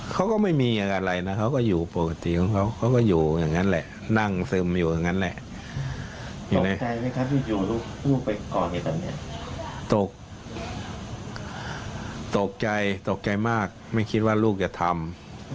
ตกใจตกใจมากไม่คิดว่าลูกจะทำ